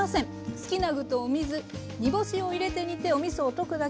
好きな具とお水煮干しを入れて煮ておみそを溶くだけ。